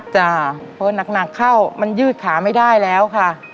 จ้ะพอหนักเข้ามันยืดขาไม่ได้แล้วค่ะ